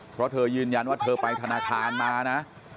เพราะเธอยืนยันว่าเธอไปธนาคารมานะ